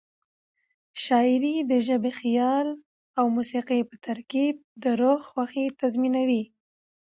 شاعري د ژبې، خیال او موسيقۍ په ترکیب د روح خوښي تضمینوي.